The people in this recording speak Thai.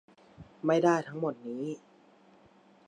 ไม่ได้ทั้งหมดนี้